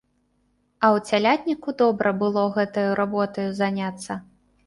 А ў цялятніку добра было гэтаю работаю заняцца.